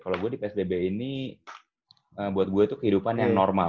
kalau gue di psbb ini buat gue itu kehidupan yang normal